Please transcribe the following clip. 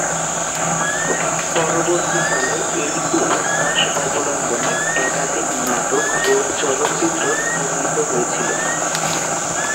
পরবর্তীকালে এই উপন্যাস অবলম্বনে একাধিক নাটক ও চলচ্চিত্র নির্মিত হয়েছিল।